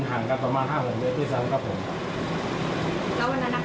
ไปสั่งครับผมครับแล้ววันนั้นนักที่เขาโบรยวายไหมครับ